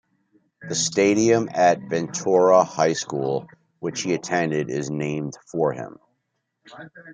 The stadium at Ventura High School, which he attended, is named for him.